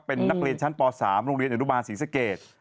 เป็นนักเรียนชั้นป๓โรงเรียนอนุบาลศรีสเกต